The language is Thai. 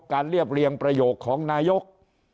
เรียบเรียงประโยคของนายก